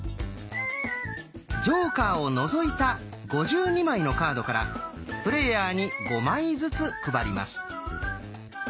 ジョーカーを除いた５２枚のカードからプレーヤーに５枚ずつ配ります。